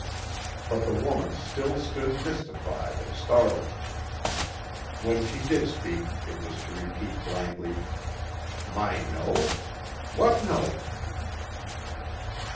But the woman still stood mystified and startled. When she did speak it was to repeat blankly, "My note? What note?"